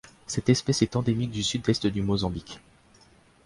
Cette espèce est endémique du sud-est du Mozambique.